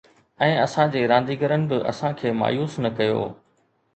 ۽ اسان جي رانديگرن به اسان کي مايوس نه ڪيو